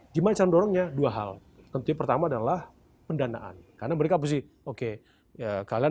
gimana dorongnya dua hal tentu pertama adalah pendanaan karena mereka pasti oke ya kalian